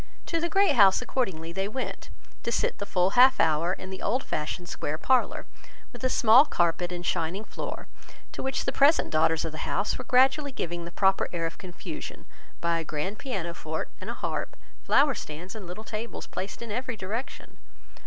To the Great House accordingly they went, to sit the full half hour in the old fashioned square parlour, with a small carpet and shining floor, to which the present daughters of the house were gradually giving the proper air of confusion by a grand piano forte and a harp, flower stands and little tables placed in every direction.